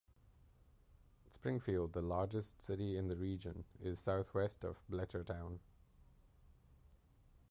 Springfield, the largest city in the region, is southwest of Belchertown.